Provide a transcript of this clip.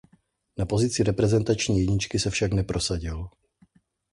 Na pozici reprezentační jedničky se však neprosadil.